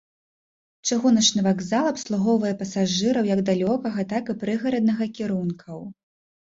Чыгуначны вакзал абслугоўвае пасажыраў як далёкага, так і прыгараднага кірункаў.